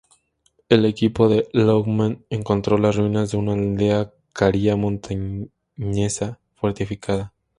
El equipo de Lohmann encontró las ruinas de una aldea caria montañesa fortificada.